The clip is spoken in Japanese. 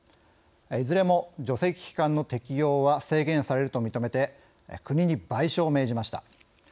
いずれも、除斥期間の適用は制限されると認めて国に賠償を命じました。